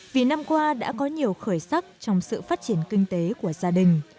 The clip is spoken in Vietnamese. vì năm qua đã có nhiều khởi sắc trong sự phát triển kinh tế của gia đình